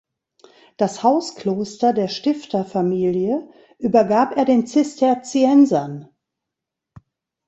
Das Hauskloster der Stifterfamilie übergab er den Zisterziensern.